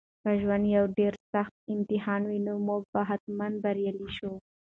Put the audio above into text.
که ژوند یو ډېر سخت امتحان وي نو موږ به حتماً بریالي شو.